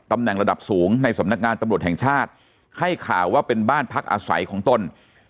ตำแหน่งระดับสูงในสำนักงานตำรวจแห่งชาติให้ข่าวว่าเป็นบ้านพักอาศัยของตน